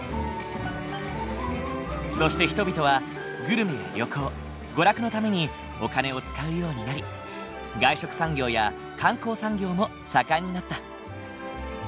そして人々はグルメや旅行娯楽のためにお金を使うようになり外食産業や観光産業も盛んになった。